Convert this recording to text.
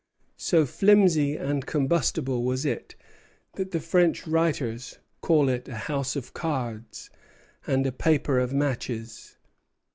So flimsy and combustible was it that the French writers call it a "house of cards" and "a paper of matches."